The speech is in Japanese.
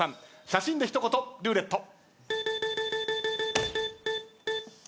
写真で一言ルーレット。